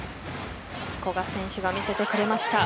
古賀選手が見せてくれました。